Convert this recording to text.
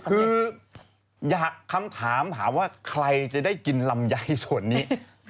คืออยากคำถามถามว่าใครจะได้กินลำไยส่วนนี้